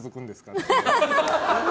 って。